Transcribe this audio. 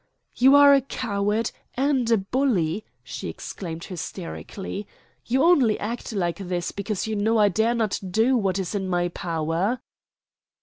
"You are a coward and a bully!" she exclaimed hysterically. "You only act like this because you know I dare not do what is in my power."